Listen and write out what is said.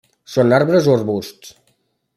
Són arbres o arbusts.